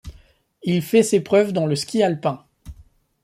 Il fait ses preuves dans le ski alpin.